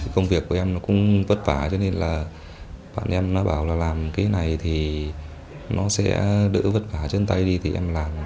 công việc của em nó cũng vất vả cho nên là bạn em bảo là làm cái này thì nó sẽ đỡ vất vả trên tay đi thì em làm